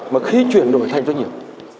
mà khi chuyển đổi thành doanh nghiệp